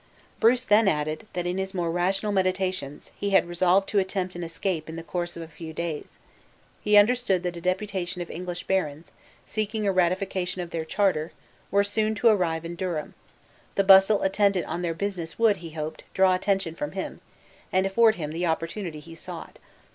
Bruce then added, that in his more rational meditations, he had resolved to attempt an escape in the course of a few days. He understood that a deputation of English barons, seeking a ratification of their charter, were soon to arrive in Durham; the bustle attendant on their business would, he hoped, draw attention from him, and afford him the opportunity he sought.